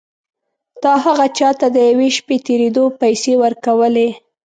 تا هغه چا ته د یوې شپې تېرېدو پيسې ورکولې.